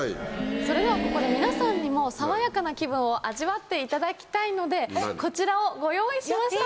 それではここで皆さんにも爽やかな気分を味わっていただきたいのでこちらをご用意しました！